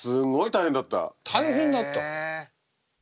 大変だった？